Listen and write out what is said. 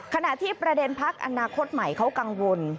ขณะที่ประเด็นพักอนาคตใหม่เขากังวล